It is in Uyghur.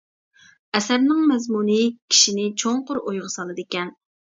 ئەسەرنىڭ مەزمۇنى كىشىنى چوڭقۇر ئويغا سالىدىكەن.